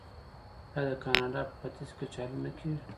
آیا د کاناډا په ختیځ کې کچالو نه کیږي؟